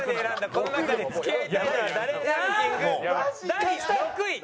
第６位。